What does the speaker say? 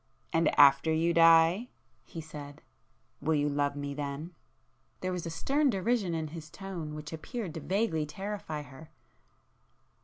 "And after you die?" he said—"Will you love me then?" There was a stern derision in his tone which appeared to vaguely terrify her.